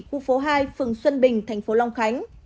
khu phố hai phường xuân bình tp long khánh